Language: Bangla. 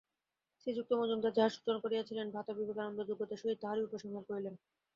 শ্রীযুক্ত মজুমদার যাহার সূচনা করিয়া- ছিলেন, ভ্রাতা বিবেকানন্দ যোগ্যতার সহিত তাহারই উপসংহার করিলেন।